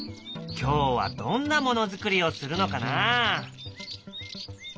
今日はどんなものづくりをするのかな？